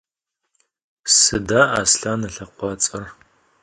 Sıda Aslhan ılhekhuats'er?